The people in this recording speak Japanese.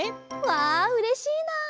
わあうれしいなあ！